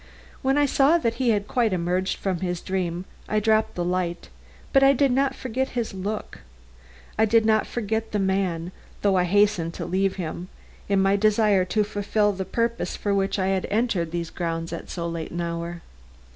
When I saw that he had quite emerged from his dream, I dropped the light. But I did not forget his look; I did not forget the man, though I hastened to leave him, in my desire to fulfill the purpose for which I had entered these grounds at so late an hour.